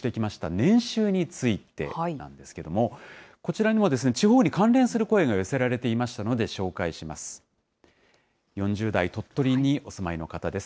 年収についてなんですけれども、こちらにも地方に関連する声が寄せられていましたので紹介します。